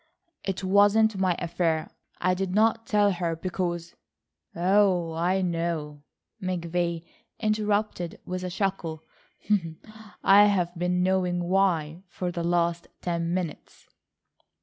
"It wasn't my affair. I did not tell her because—" "Oh, I know," McVay interrupted with a chuckle. "I've been knowing why for the last ten minutes."